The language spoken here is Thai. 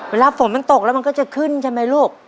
เวลาฝนมันตกแล้วมันก็จะขึ้นใช่ไหมลูก